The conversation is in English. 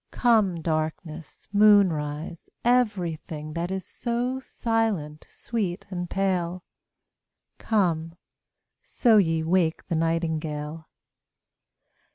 Come darkness, moonrise, every thing That is so silent, sweet, and pale: Come, so ye wake the nightingale.